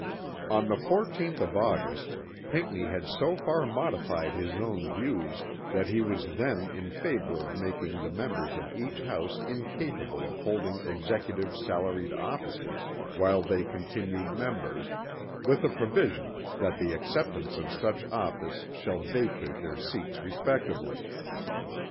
On the 14th of August Pinckney had so far modified his own views that he was then in favor of making the members of each House incapable of holding executive salaried offices while they continued members, with a provision that "the acceptance of such office shall vacate their seats respectively."